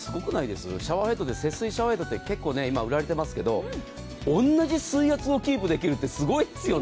節水シャワーヘッドって結構今売られてますけど、同じ水圧をキープできるって、すごいですよね。